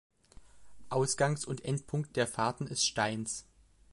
Ausgangs- und Endpunkt der Fahrten ist Stainz.